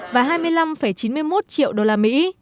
và hai mươi năm chín mươi một triệu đô la mỹ